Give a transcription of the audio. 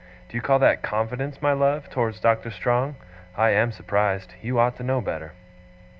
Do you call that confidence, my love, towards Doctor Strong? I am surprised. You ought to know better.